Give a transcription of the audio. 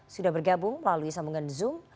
sudah bergabung melalui sambungan zoom